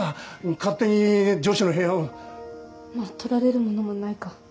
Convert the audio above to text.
勝手に女子の部屋をまあとられるものもないか